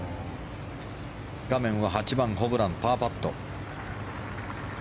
画面は８番、ホブランパーパット。